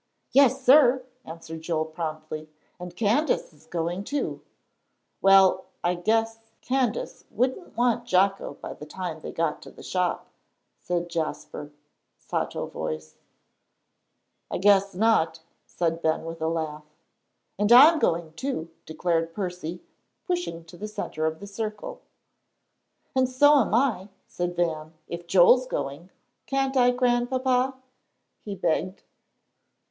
"Yes, sir!" answered Joel, promptly, "and Candace is going too." "Well, I guess Candace wouldn't want Jocko by the time they got to the shop," said Jasper, sotto voce. "I guess not too," said Ben, with a laugh. "And I'm going too," declared Percy, pushing to the centre of the circle. "And so am I," said Van, "if Joel's going. Can't I, Grandpapa?" he begged.